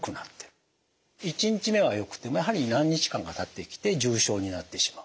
１日目はよくてもやはり何日間かたってきて重症になってしまう。